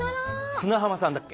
綱浜さんだっけ？